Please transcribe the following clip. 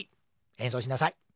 えんそうしなさい。